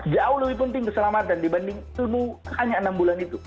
jauh lebih penting keselamatan dibanding dulu hanya enam bulan itu